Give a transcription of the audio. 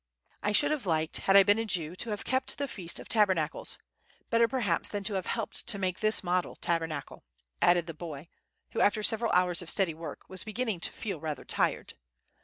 "I should have liked, had I been a Jew, to have kept the Feast of Tabernacles—better perhaps than to have helped to make this model Tabernacle," added the boy, who, after several hours of steady work, was beginning to feel rather tired.